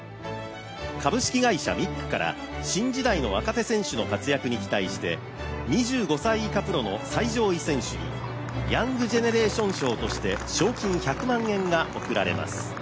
株式会社ミックから新時代の若手選手の活躍に期待して２５歳以下プロの最上位選手にヤングジェネレーション賞として賞金１００万円が贈られます。